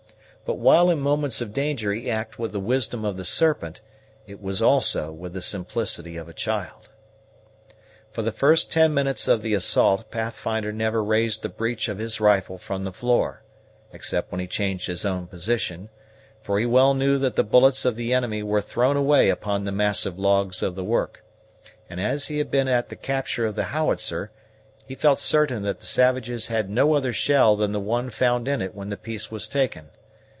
But while in moments of danger he acted with the wisdom of the serpent, it was also with the simplicity of a child. For the first ten minutes of the assault, Pathfinder never raised the breech of his rifle from the floor, except when he changed his own position, for he well knew that the bullets of the enemy were thrown away upon the massive logs of the work; and as he had been at the capture of the howitzer he felt certain that the savages had no other shell than the one found in it when the piece was taken.